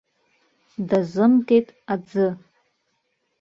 Дазымгеит аӡы.